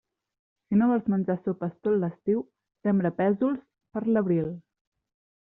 Si no vols menjar sopes tot l'estiu, sembra pèsols per l'abril.